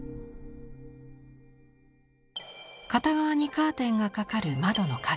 片側にカーテンが掛かる窓の影。